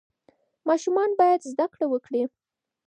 ماشومان باید زده کړه وکړي.